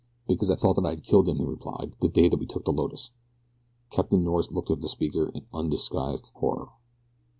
"Because I thought that I had killed him," he replied, "the day that we took the Lotus." Captain Norris looked at the speaker in undisguised horror.